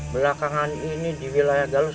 belakangan ini di wilayah galus